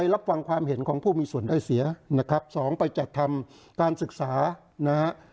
รับฟังความเห็นของผู้มีส่วนได้เสียนะครับสองไปจัดทำการศึกษานะฮะ